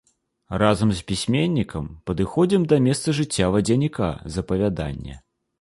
Разам з пісьменнікам падыходзім да месца жыцця вадзяніка з апавядання.